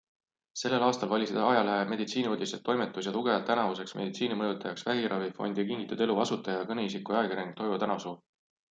Sellel aastal valisid ajalehe Meditsiiniuudised toimetus ja lugejad tänavuseks meditsiinimõjutajaks vähiravifondi Kingitud Elu asutaja ja kõneisiku ajakirjanik Toivo Tänavsuu.